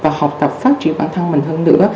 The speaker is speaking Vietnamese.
và học tập phát triển bản thân mình